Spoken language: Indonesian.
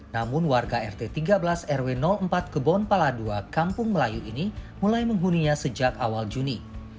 namun warga rt tiga belas rw empat kebon pala ii kampung melayu ini mulai menghuninya sejak awal juni